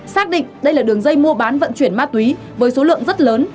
xác định đây là đường dây mua bán vận chuyển ma túy với số lượng rất lớn